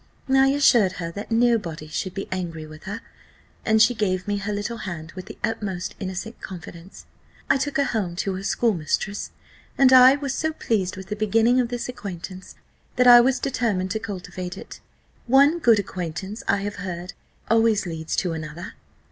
I assured her that nobody should be angry with her, and she gave me her little hand with the utmost innocent confidence. I took her home to her schoolmistress, and I was so pleased with the beginning of this acquaintance, that I was determined to cultivate it. One good acquaintance I have heard always leads to another.